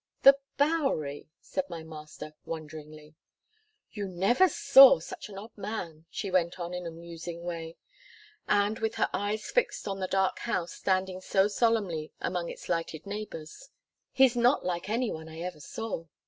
"The Bowery," said my master wonderingly. "You never saw such an odd man," she went on in a musing way, and with her eyes fixed on the dark house standing so solemnly among its lighted neighbours. "He's not like any one I ever saw."